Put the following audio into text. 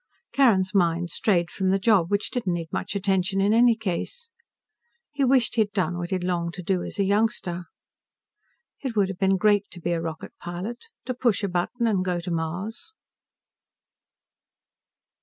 Carrin's mind strayed from the job, which didn't need much attention in any case. He wished he had done what he had longed to do as a youngster. It would have been great to be a rocket pilot, to push a button and go to Mars.